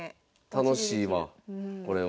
楽しいわこれは。